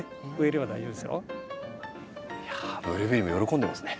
いやあブルーベリーも喜んでますね。